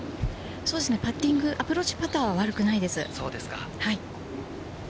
パッティング、アプローチパターは悪くないです。